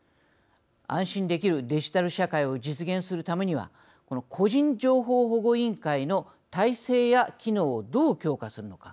安心できるデジタル社会を実現するためには個人情報保護員会の体制や機能をどう強化するのか